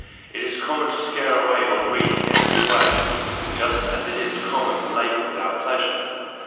It is common to scare away ennui in every way, just as it is common to labour without pleasure.